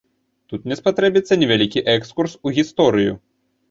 Тут мне спатрэбіцца невялікі экскурс у гісторыю.